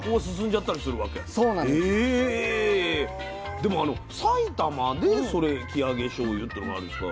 でもあの埼玉でそれ生揚げしょうゆっていうのがあるんですか？